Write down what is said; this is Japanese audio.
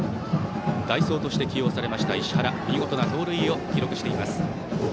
代走として起用された石原見事な盗塁を記録しています。